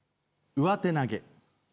上手投げ。